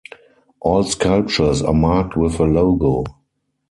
All sculptures are marked with a logo.